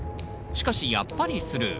しかしやっぱりスルー。